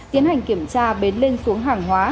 tiến hành kiểm tra bến lên xuống hàng hóa